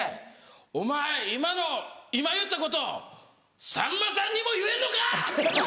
「お前今の今言ったことさんまさんにも言えんのか！」。